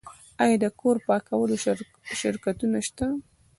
آیا د کور پاکولو شرکتونه شته؟